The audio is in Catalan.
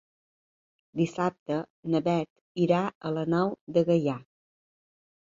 Dissabte na Bet irà a la Nou de Gaià.